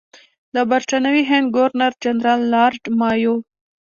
د برټانوي هند ګورنر جنرال لارډ مایو.